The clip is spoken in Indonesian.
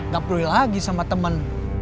gak perlu lagi sama teman